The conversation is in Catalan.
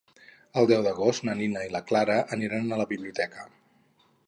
El deu d'agost na Nina i na Clara aniran a la biblioteca.